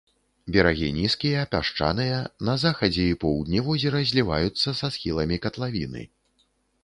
Берагі нізкія, пясчаныя, на захадзе і поўдні возера зліваюцца са схіламі катлавіны.